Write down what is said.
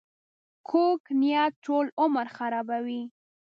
کوږ نیت ټول عمر خرابوي